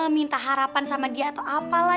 minta harapan sama dia atau apalah